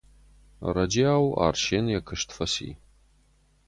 Ӕрӕджиау Арсен йӕ куыст фӕци.